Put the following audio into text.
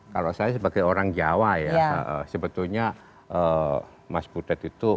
kalau saya sebagai orang jawa ya sebetulnya mas budet itu